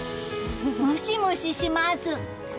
ムシムシします。